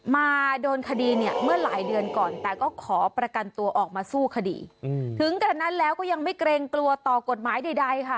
มาโดนคดีเนี่ยเมื่อหลายเดือนก่อนแต่ก็ขอประกันตัวออกมาสู้คดีถึงกระนั้นแล้วก็ยังไม่เกรงกลัวต่อกฎหมายใดค่ะ